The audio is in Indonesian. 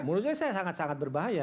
menurut saya saya sangat sangat berbahaya